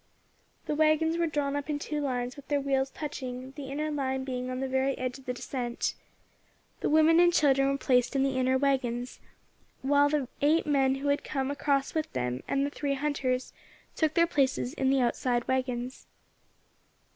The waggons were drawn up in two lines with their wheels touching, the inner line being on the very edge of the descent. The women and children were placed in the inner waggons, while the eight men who had come across with them, and the three hunters, took their places in the outside waggons.